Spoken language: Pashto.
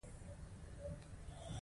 شات مچۍ ګلانو ته ګټه رسوي